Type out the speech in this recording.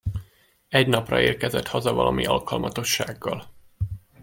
Egy napra érkezett haza valami alkalmatossággal.